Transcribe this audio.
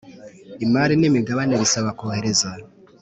imari n imigabane bisaba kohereza